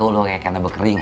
aduh lo kayak kena berkering